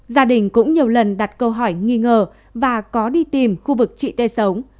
gia đình cũng nhiều lần đặt câu hỏi nghi ngờ và có đi tìm khu vực trị tê sống